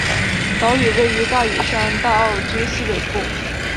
岛屿位于大屿山大澳之西北部。